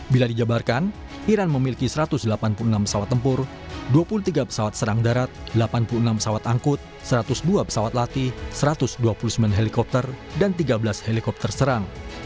bila dijabarkan iran memiliki satu ratus delapan puluh enam pesawat tempur dua puluh tiga pesawat serang darat delapan puluh enam pesawat angkut satu ratus dua pesawat latih satu ratus dua puluh sembilan helikopter dan tiga belas helikopter serang